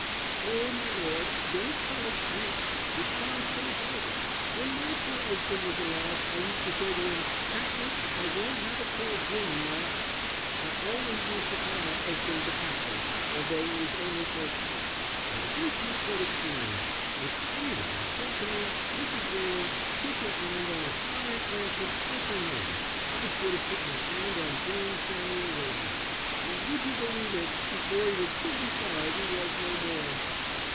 "Oh, my lord, don't call it gin. It sounds so vulgar. When my poor 'usband was alive I used to say to 'im: 'Captain, I won't have it called gin in my 'ouse.' I always used to call my 'usband the captain, although he was only first mate. I wish you could 'ave seen him. If any one 'ad said to me: 'Mrs. Railing, put your 'and on a fine, 'andsome, 'ealthy man,' I should 'ave put my 'and on James Samuel Railing. And would you believe it, before he was thirty five he was no more."